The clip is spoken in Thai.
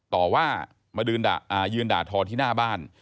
ต่อว่ามายืนด่าทอที่หน้าบ้าน